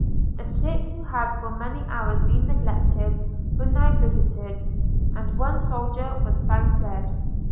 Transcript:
The sick, who had for many hours been neglected, were now visited; and one soldier was found dead.